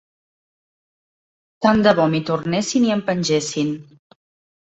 Tant de bo m'hi tornessin i em pengessin.